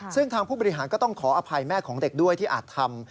ซึ่งทางผู้บริหารก็ต้องขออภัยแม่ของเด็กด้วยที่อาจทำ